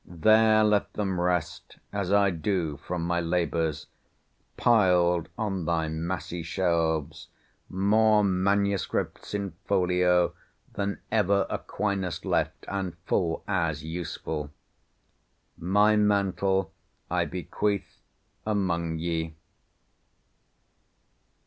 There let them rest, as I do from my labours, piled on thy massy shelves, more MSS. in folio than ever Aquinas left, and full as useful! My mantle I bequeath among ye.